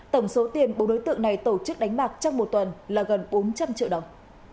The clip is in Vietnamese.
tổng số tiền bốn đối tượng này tổ chức đánh bạc trong một tuần là gần bốn trăm linh triệu đồng